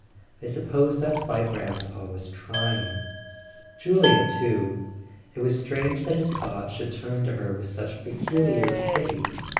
I suppose that's why Brant's always trying " Julia too: it was strange that his thoughts should turn to her with such peculiar pity.